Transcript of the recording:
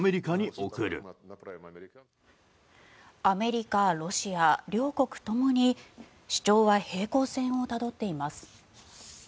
アメリカ、ロシア両国ともに主張は平行線をたどっています。